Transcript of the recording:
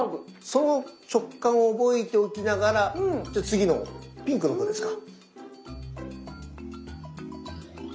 その食感を覚えておきながら次のピンクの方ですか。